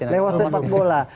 lewat sepak bola